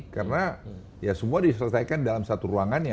karena ya semua diselesaikan dalam satu ruangannya